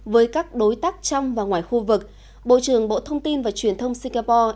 với các đối tác trong và ngoài khu vực bộ trưởng bộ thông tin và truyền thông singapore